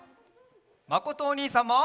まことおにいさんも！